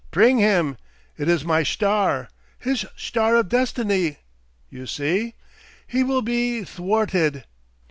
pring him! It is my schtar!' His schtar of Destiny! You see? He will be dthwarted.